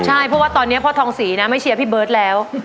ใช่เพราะว่าตอนนี้พ่อทองศรีนะไม่เชียร์พี่เบิร์ตแล้ว